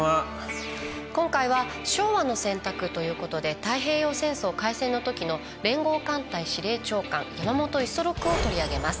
今回は「昭和の選択」ということで太平洋戦争開戦のときの連合艦隊司令長官山本五十六を取り上げます。